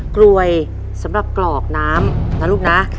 กลวยสำหรับกรอกน้ำนะลูกนะ